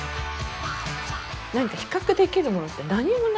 なんか比較できるものって何もないですよね。